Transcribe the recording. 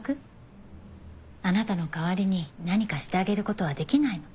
あなたの代わりに何かしてあげる事はできないの。